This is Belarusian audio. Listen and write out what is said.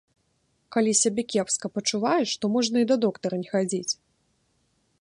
Калі сябе кепска пачуваеш, то можна і да доктара не хадзіць.